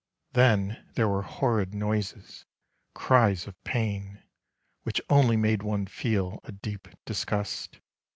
Then there were horrid noises, cries of pain Which only made one feel a deep disgust.